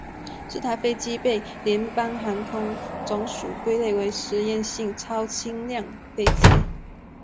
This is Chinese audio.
这台飞机被联邦航空总署归类为实验性超轻量飞机。